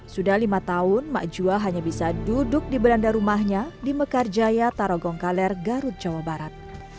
sudah lima tahun ma'ikah hanya bisa duduk di belanda rumahnya di mekarjaya tarogongkaler garut jawa barat